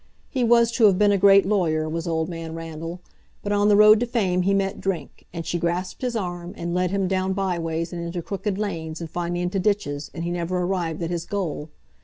He was to have been a great lawyer, was Old Man Randall. But on the road to fame he met Drink, and she grasped his arm, and led him down by ways, and into crooked lanes, and finally into ditches, and he never arrived at his goal.